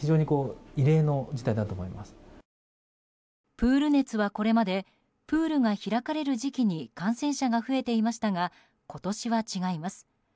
プール熱はこれまでプールが開かれる時期に感染者が増えていましたが今年は違います。